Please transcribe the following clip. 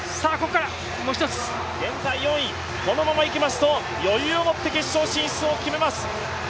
現在４位、このままいきますと余裕を持って決勝進出を決めます。